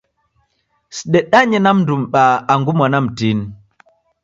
Sidedanye na mndu m'baa angu mwana mtini.